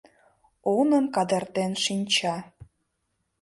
Оным кадыртен шинча.